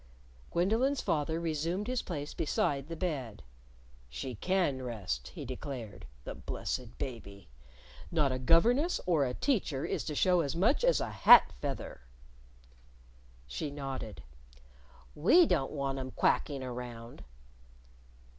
Gwendolyn's father resumed his place beside the bed. "She can rest," he declared, " the blessed baby! Not a governess or a teacher is to show as much as a hat feather." She nodded. "We don't want 'em quacking around."